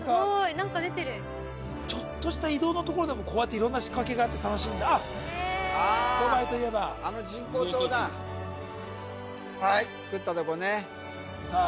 何かちょっとした移動のところでもこうやって色んな仕掛けがあって楽しいあっドバイといえばあの人工島だつくったとこねさあ